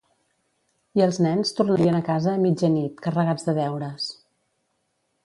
I els nens tornarien a casa a mitja nit, carregats de deures.